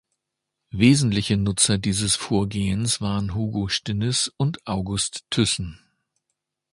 Wesentliche Nutzer dieses Vorgehens waren Hugo Stinnes und August Thyssen.